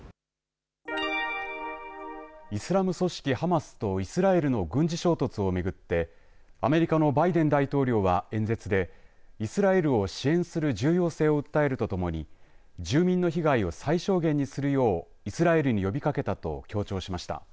イスラム組織ハマスとイスラエルの軍事衝突を巡ってアメリカのバイデン大統領は演説でイスラエルを支援する重要性を訴えるとともに住民の被害を最小限にするようイスラエルに呼びかけたと強調しました。